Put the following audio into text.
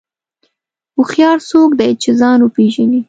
هوښیار څوک دی چې ځان وپېژني.